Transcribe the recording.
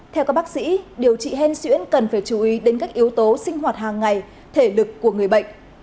theo các bác sĩ điều trị hen xuyễn cần phải chú ý đến các yếu tố sinh hoạt hàng ngày thể lực của người bệnh